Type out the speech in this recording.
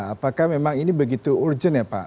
apakah memang ini begitu urgent ya pak